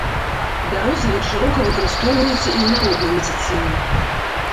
Бярозавік шырока выкарыстоўваецца і ў народнай медыцыне.